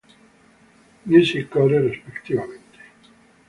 Music Core" respectivamente.